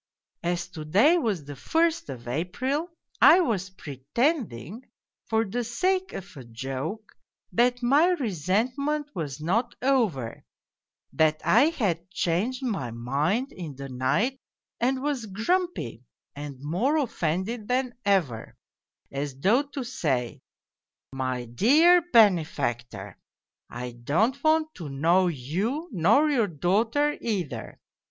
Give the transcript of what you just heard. As to day was the first of April, I was pretending, for the sake of a joke, that my resentment was not over, that I had changed my mind in the night and was grumpy, and more offended than ever, as though to say, ' My dear benefactor, I don't want to know yon nor your daughter either.